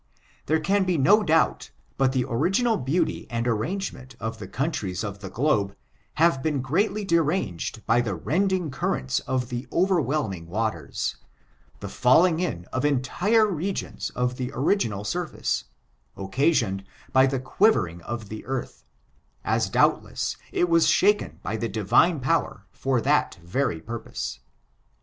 There can be no doubt but the original beauty and arrangement of the countries of the globe have been greatly deranged by the rending currents of the overwhelming waters, the falling in of entire reigions of the original surface, occasioned by the quivering of the earth, as doubtless it was shaken by the Divine ^^ Power for that very purpose.